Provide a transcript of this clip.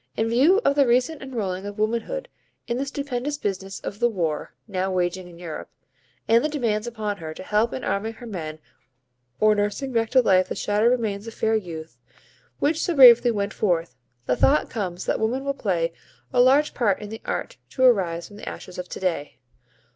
In view of the recent enrolling of womanhood in the stupendous business of the war now waging in Europe, and the demands upon her to help in arming her men or nursing back to life the shattered remains of fair youth, which so bravely went forth, the thought comes that woman will play a large part in the art to arise from the ashes of to day.